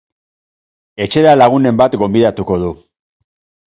Etxera lagunen bat gonbidatuko du.